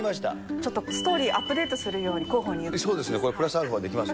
ちょっとストーリー、アップデートするように広報に言っておきます。